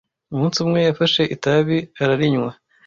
umunsi umwe yafashe itabi ararinywa